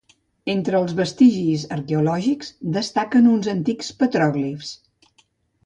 Entre els vestigis arqueològics destaquen uns antics petròglifs.